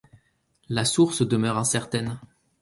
La source demeure incertaine.